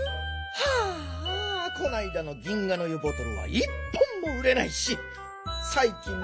はあこないだの銀河の湯ボトルは１本もうれないしさいきん